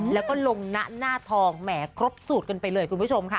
แล้วก็ลงหน้าทองแหมครบสูตรกันไปเลยคุณผู้ชมค่ะ